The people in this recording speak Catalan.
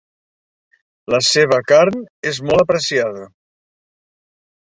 La seva carn és molt apreciada.